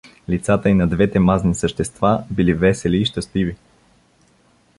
Лицата и на двете мазни същества били весели и щастливи.